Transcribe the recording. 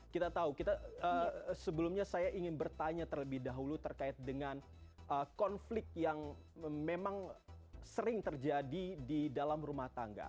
kita tahu kita sebelumnya saya ingin bertanya terlebih dahulu terkait dengan konflik yang memang sering terjadi di dalam rumah tangga